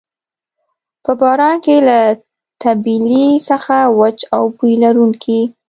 په باران کې له طبیلې څخه وچ او بوی لرونکی.